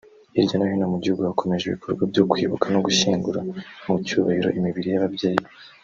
Hirya no hino mu gihugu hakomeje ibikorwa byo kwibuka no gushyingura mu cyubahiro imibiri y’ababyeyi